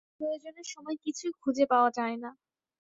প্রয়োজনের সময় কিছুই খুঁজে পাওয়া যায় না।